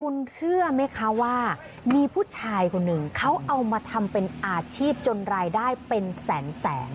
คุณเชื่อไหมคะว่ามีผู้ชายคนหนึ่งเขาเอามาทำเป็นอาชีพจนรายได้เป็นแสนแสน